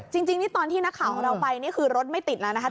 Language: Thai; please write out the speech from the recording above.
จริงนี่ตอนที่นักข่าวของเราไปนี่คือรถไม่ติดแล้วนะคะ